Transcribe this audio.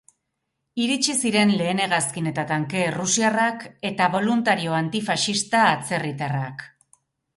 Iritsi ziren lehen hegazkin eta tanke errusiarrak eta boluntario antifaxista atzerritarrak.